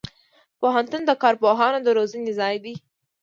پوهنتون د کارپوهانو د روزنې ځای دی.